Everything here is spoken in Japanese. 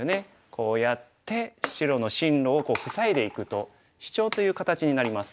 こうやって白の進路を塞いでいくとシチョウという形になります。